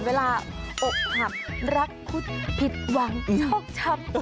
เวลาโอ้ขับรักคุตผิดหวังยกชับ